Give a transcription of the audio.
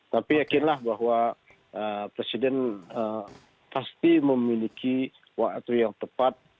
tapi yakinlah bahwa presiden pasti memiliki waktu yang tepat